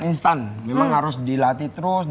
instan memang harus dilatih terus